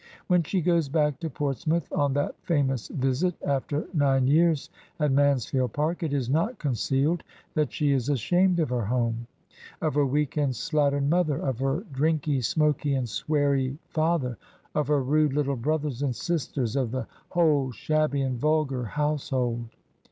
When she goes back to Portsmouth on that famous visit, after nine years at Mansfield Park, it is not concealed that she is ashamed of her home, of her weak and slattern mother, of her drinky, smoky, and sweary father, of her rude little brothers and sisters, of the whole shabby and vulgar household.